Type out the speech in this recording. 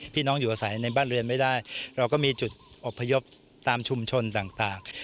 อยู่อาศัยในบ้านเรือนไม่ได้เราก็มีจุดอบพยพตามชุมชนต่าง